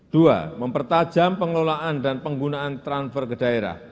dua mempertajam pengelolaan dan penggunaan transfer ke daerah